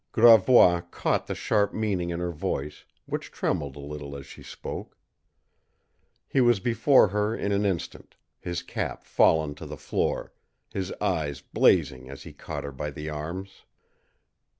Gravois caught the sharp meaning in her voice, which trembled a little as she spoke. He was before her in an instant, his cap fallen to the floor, his eyes blazing as he caught her by the arms.